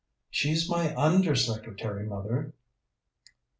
"She's my under secretary, mother."